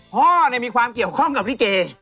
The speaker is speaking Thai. พ่อมีความเกี่ยวข้องกับลิเก